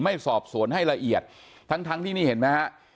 ไม่สอบสวนให้ละเอียดทั้งทั้งที่นี่เห็นไหมฮะ